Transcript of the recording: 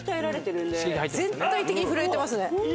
全体的に震えてますね。